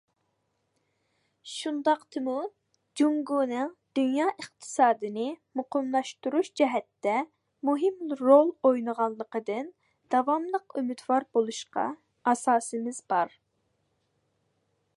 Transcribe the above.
شۇنداقتىمۇ، جۇڭگونىڭ دۇنيا ئىقتىسادىنى مۇقىملاشتۇرۇش جەھەتتە مۇھىم رول ئوينايدىغانلىقىدىن داۋاملىق ئۈمىدۋار بولۇشقا ئاساسىمىز بار.